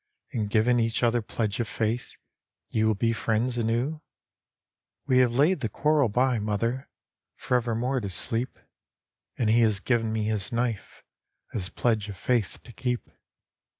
And given each other pledge of faith Ye will be friends anew? "" We have laid the quarrel by, mother, Forcvermorc to sleep, And he has given me his knife. As pledge of faith to beep."